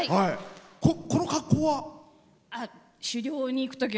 この格好は？